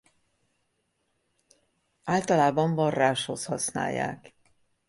Általában varráshoz használják.